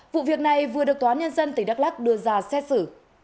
vụ việc này vừa được toán nhân dân tỉnh đắk lắk đưa ra xét xử